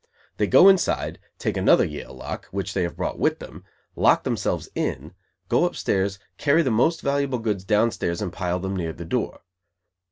They go inside, take another Yale lock, which they have brought with them, lock themselves in, go upstairs, carry the most valuable goods downstairs and pile them near the door.